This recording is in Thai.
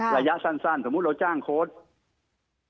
ระยะสั้นสมมุติเราจ้างโค้ด